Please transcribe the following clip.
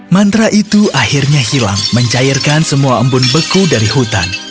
mantra itu akhirnya hilang mencairkan semua embun beku dari hutan